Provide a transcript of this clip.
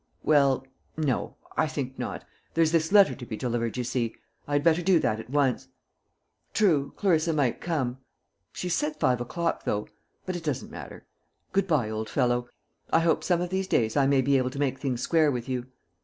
"Well no; I think not. There's this letter to be delivered, you see. I had better do that at once." "True; Clarissa might come. She said five o'clock, though; but it doesn't matter. Good bye, old fellow. I hope some of these days I may be able to make things square with you.